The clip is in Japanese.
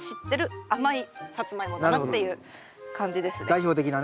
代表的なね。